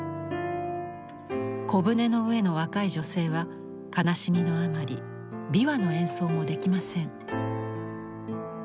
小舟の上の若い女性は悲しみのあまり琵琶の演奏もできません。